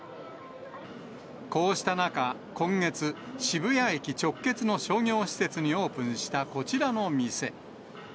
こうした中、今月、渋谷駅直結の商業施設にオープンしたこちらの店。